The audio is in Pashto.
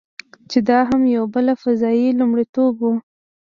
چې دا هم یو بل فضايي لومړیتوب و.